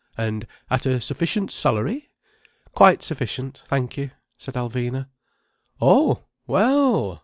"And at a sufficient salary?" "Quite sufficient, thank you," said Alvina. "Oh! Well!